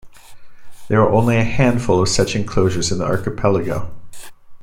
There are only a handful of such enclosures in the archipelago.